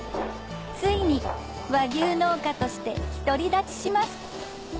ついに和牛農家として独り立ちします